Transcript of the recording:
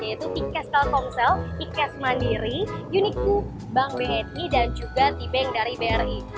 yaitu ikes kalkomsel ikes mandiri uniku bank bni dan juga t bank dari bri